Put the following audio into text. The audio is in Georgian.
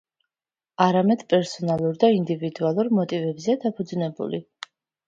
არამედ, პერსონალურ და ინდივიდუალურ მოტივებზეა დაფუძნებული.